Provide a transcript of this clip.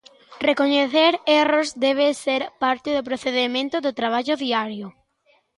Recoñecer erros debe ser parte do procedemento do traballo diario.